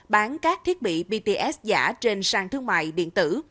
bán các thiết bị bts giả trên sàn thương mại điện tử